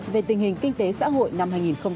về tình hình kinh tế xã hội năm hai nghìn một mươi chín